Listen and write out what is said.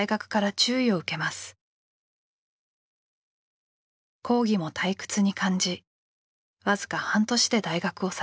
講義も退屈に感じ僅か半年で大学を去りました。